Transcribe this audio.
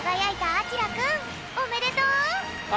あきらくんおめでとう！